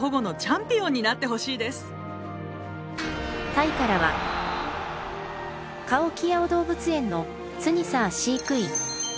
タイからはカオキアオ動物園のスニサー飼育員。